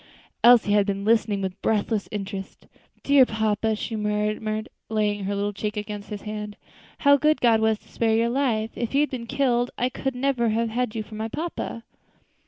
Elsie had been listening with breathless interest. "Dear papa," she murmured, laying her little cheek against his hand, "how good God was to spare your life! If you had been killed I could never have had you for my papa."